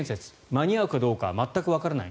間に合うかどうか全くわからない。